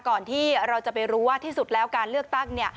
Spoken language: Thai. ก่อนที่เราจะไปรู้ว่าที่สุดแล้วการเลือกตั้งเนี่ย